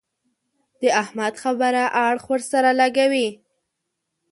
د احمد خبره اړخ ور سره لګوي.